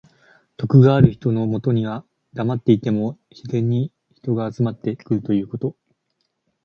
徳がある人のもとにはだまっていても自然に人が集まってくるということ。